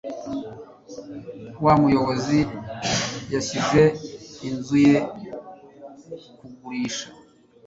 Wa muyobizi yashyize inzu ye kugurisha.